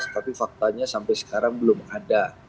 tapi faktanya sampai sekarang belum ada